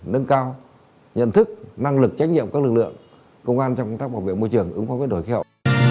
nâng cao nhận thức năng lực trách nhiệm của các lực lượng công an trong công tác bảo vệ môi trường ứng phó với đổi khí hậu